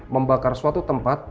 membakar suatu tempat